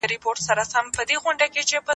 شاګرد ته اجازه سته چي نوې لاري ولټوي.